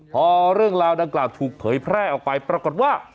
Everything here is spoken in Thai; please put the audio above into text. พอเรื่องราวดังกล่าวถูกเผยแพร่ออกไปปรากฏว่า